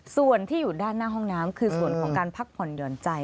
ส่วนที่อยู่ด้านหน้าห้องน้ำคือส่วนของการพักผ่อนหย่อนใจ